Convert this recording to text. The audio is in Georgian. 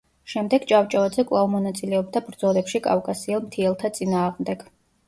შემდეგ ჭავჭავაძე კვლავ მონაწილეობდა ბრძოლებში კავკასიელ მთიელთა წინააღმდეგ.